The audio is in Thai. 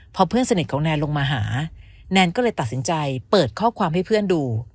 พอเพื่อนสนิทของแนนลงมาหาแนนก็เลยตัดสินใจเปิดข้อความให้เพื่อนดู